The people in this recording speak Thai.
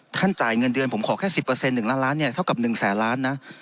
จ่ายเงินเดือนผมขอแค่๑๐๑ล้านล้านเนี่ยเท่ากับ๑แสนล้านนะ